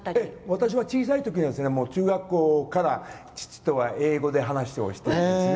私は小さいときから中学校から父とは英語で話をしてたんですね。